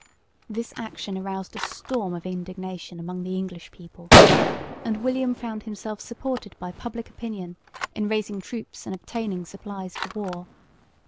This action aroused a storm of indignation among the English people, and William found himself supported by public opinion in raising troops and obtaining supplies for war.